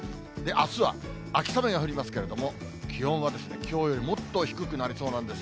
あすは秋雨が降りますけれども、気温はきょうよりもっと低くなりそうなんです。